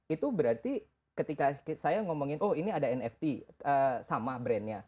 itu berarti ketika saya ngomongin oh ini ada nft sama brandnya